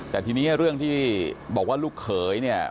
แต่ทีนี้เรื่องที่บอกว่าลูกเขยเนี่ย